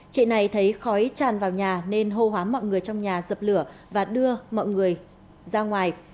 chị này thấy khói tràn vào nhà nên hô hoá mọi người trong nhà dập lửa và đưa mọi người ra ngoài